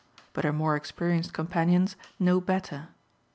But her more experienced companions know better.